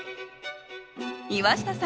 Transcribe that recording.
岩下さん